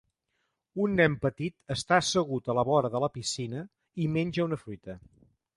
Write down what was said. Un nen petit està assegut a la vora de la piscina i menja una fruita.